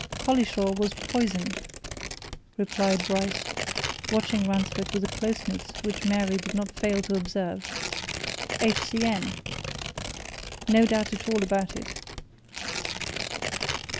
"Collishaw was poisoned," replied Bryce, watching Ransford with a closeness which Mary did not fail to observe. "H.C.N. No doubt at all about it."